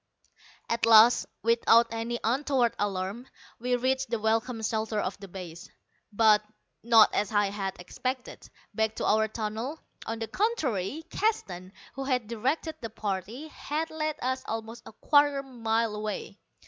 At last, without any untoward alarm, we reached the welcome shelter of the base, but not, as I had expected, back to our tunnel. On the contrary, Keston, who had directed the party, had led us almost a quarter mile away.